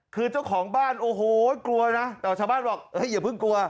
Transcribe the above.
คือเจ้าของบ้านโอ้โหกลัวนะแต่ชาวบ้านบอกอย่าเพิ่งกลัว